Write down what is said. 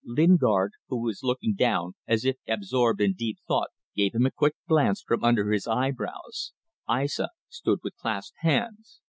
Lingard, who was looking down as if absorbed in deep thought, gave him a quick glance from under his eyebrows: Aissa stood with clasped hands.